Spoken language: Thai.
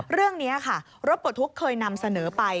เรื่องนี้ค่ะรถปลดทุกข์เคยนำเสนอไป